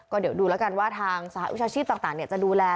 ก็เดี๋ยวดูแล้วกันว่าทางสหวิชาชีพต่างจะดูแล